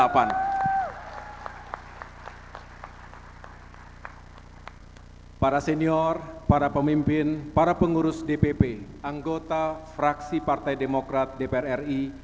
para senior para pemimpin para pengurus dpp anggota fraksi partai demokrat dpr ri